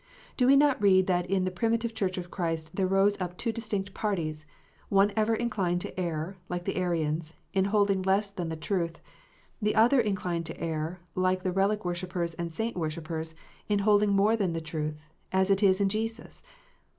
Do we not read that in the primitive Church of Christ there rose up two distinct parties, one ever inclined to err, like the Arians, in holding less than the truth, the other ever inclined to err, like the relic worshippers and saint worshippers, in holding more than the truth, as it is in Jesus